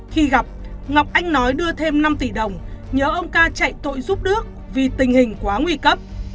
khi gặp ngọc anh nói đưa thêm năm tỷ đồng nhớ ông ca chạy tội giúp đước vì tình hình quá nguy cấp